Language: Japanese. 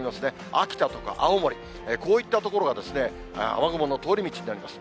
秋田とか青森、こういった所がですね、雨雲の通り道になります。